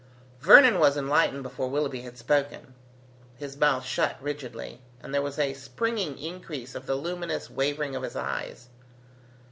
Vernon was enlightened before Willoughby had spoken. His mouth shut rigidly, and there was a springing increase of the luminous wavering of his eyes.